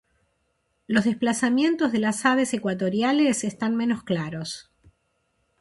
Los desplazamientos de las aves ecuatoriales están menos claros.